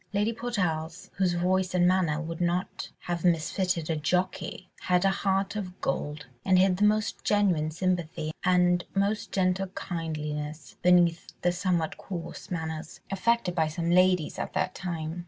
Lady Portarles, whose voice and manner would not have misfitted a jockey, had a heart of gold, and hid the most genuine sympathy and most gentle kindliness, beneath the somewhat coarse manners affected by some ladies at that time.